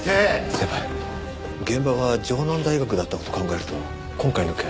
先輩現場は城南大学だった事を考えると今回の件。